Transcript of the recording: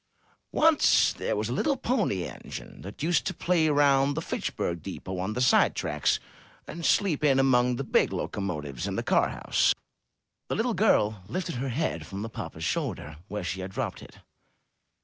''Once there was a little Pony Engine that used to play round the Fitchburg Depot on the side tracks, and sleep in among the big locomotives in the car house —" The little girl lifted her head from the papa's shoulder, where she had dropped it.